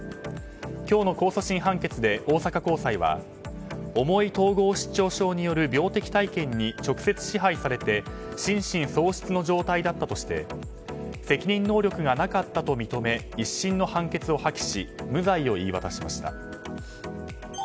今日の控訴審判決で大阪高裁は重い統合失調症による病的体験に直接支配されて心神喪失の状態だったとして責任能力がなかったと認め１審の判決を破棄し無罪を言い渡しました。